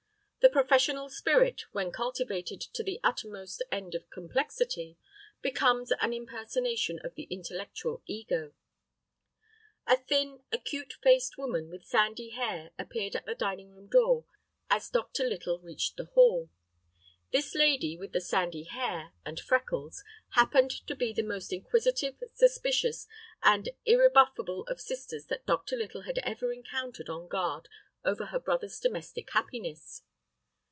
The professional spirit when cultivated to the uttermost end of complexity, becomes an impersonation of the intellectual ego. A thin, acute faced woman with sandy hair appeared at the dining room door as Dr. Little reached the hall. This lady with the sandy hair and freckles happened to be the most inquisitive, suspicious, and unrebuffable of sisters that Dr. Little had ever encountered on guard over her brother's domestic happiness.